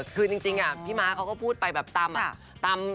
คือจริงพี่ม้าเขาก็พูดไปแบบตามอะ